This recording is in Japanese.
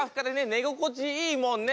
寝心地いいもんね。